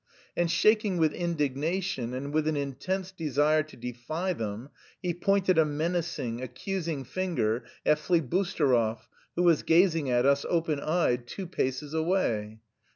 And shaking with indignation and with an intense desire to defy them, he pointed a menacing, accusing finger at Flibusterov, who was gazing at us open eyed two paces away.